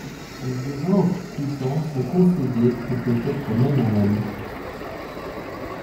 Il devint au fil du temps son conseiller, et peut être même un ami.